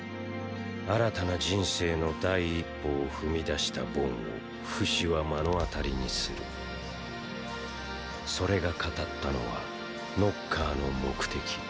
新たな人生の第一歩を踏み出したボンをフシは目の当たりにするそれが語ったのはノッカーの目的。